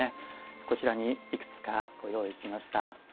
こちらにいくつかご用意しました。